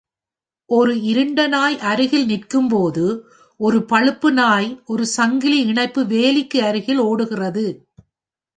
ஒரு இருண்ட நாய் அருகில் நிற்கும்போது ஒரு பழுப்பு நாய் ஒரு சங்கிலி இணைப்பு வேலிக்கு அருகில் ஓடுகிறது.